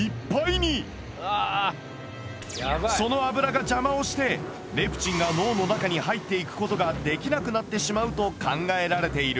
その脂が邪魔をしてレプチンが脳の中に入っていくことができなくなってしまうと考えられている。